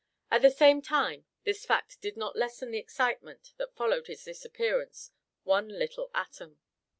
At the same time, this fact did not lessen the excitement that followed his disappearance one little atom.